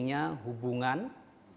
sebuah hal yang penting